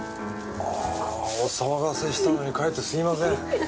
ああお騒がせしたのにかえってすみません。